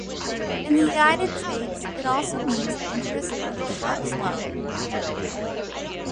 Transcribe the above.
In the United States, it also means the interest on a shark's loan.